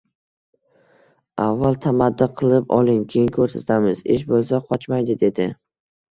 Avval tamaddi qilib oling, keyin ko‘rsatamiz, ish bo‘lsa qochmaydi, dedi